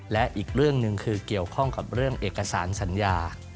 และอีกเรื่องหนึ่งคือเกี่ยวข้องกับเรื่องเอกสารสัญญา